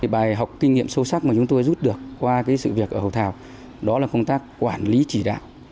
bài học kinh nghiệm sâu sắc mà chúng tôi rút được qua sự việc ở hội thảo đó là công tác quản lý chỉ đạo